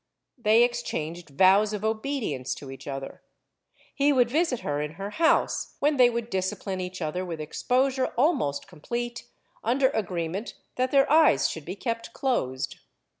They exchanged vows of obedience to each other; he would visit her in her house when they would discipline each other with exposure almost complete, under agreement that their eyes should be kept closed.